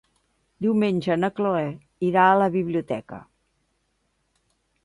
Diumenge na Cloè irà a la biblioteca.